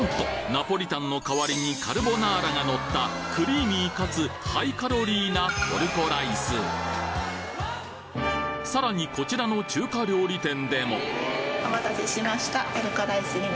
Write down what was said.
ナポリタンの代わりにカルボナーラがのったクリーミーかつハイカロリーなトルコライスさらにこちらの中華料理店でもお待たせしました。